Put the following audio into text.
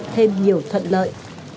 thêm nhiều thuận lợi